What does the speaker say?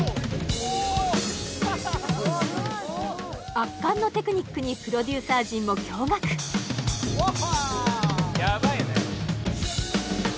圧巻のテクニックにプロデューサー陣も驚がくうわっは！